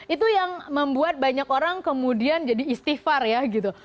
itu yang membuat banyak orang kemudian jadi istighfar ya gitu